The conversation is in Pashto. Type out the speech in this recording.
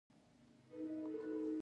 چي ایرې کېمیا کوي هغه اکسیر یم.